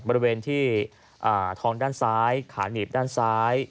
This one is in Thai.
บริเวณที่ทองด้านซ้ายขาหนีบด้านซ้าย